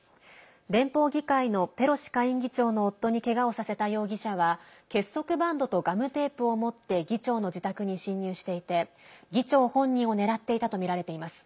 連邦議会のペロシ下院議長の夫に、けがをさせた容疑者は結束バンドとガムテープを持って議長の自宅に侵入していて議長本人を狙っていたとみられています。